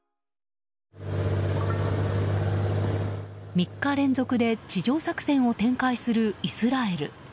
３日連続で地上作戦を展開するイスラエル。